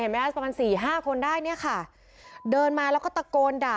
ประมาณสี่ห้าคนได้เนี่ยค่ะเดินมาแล้วก็ตะโกนด่า